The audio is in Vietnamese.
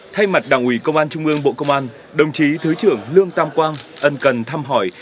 thay mặt đảng ủy công an trung ương bộ công an đồng chí thứ trưởng lương tam quang ẩn cần thăm hỏi